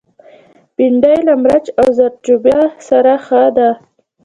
بېنډۍ له مرچ او زردچوبه سره ښه ده